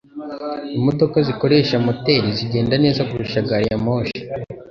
Imodoka zikoresha moteri zigenda neza kurusha gari ya moshi.